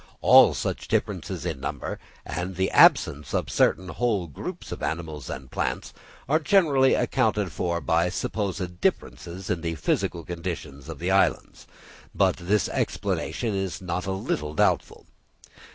All such differences in number, and the absence of certain whole groups of animals and plants, are generally accounted for by supposed differences in the physical conditions of the islands; but this explanation is not a little doubtful.